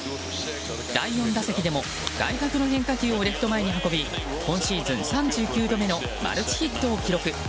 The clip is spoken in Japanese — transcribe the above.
第４打席でも外角の変化球をレフト前に運び今シーズン３９度目のマルチヒットを記録。